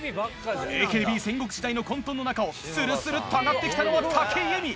ＡＫＢ戦国時代の混とんの中をスルスルっと上がって来たのは武井咲！